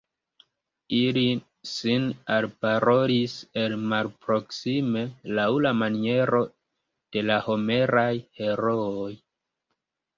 Ili sin alparolis el malproksime, laŭ la maniero de la Homeraj herooj.